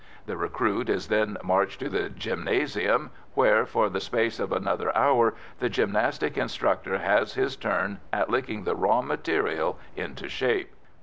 The recruit is then marched to the gymnasium, where, for the space of another hour, the gymnastic instructor has his turn at licking the raw material into shape.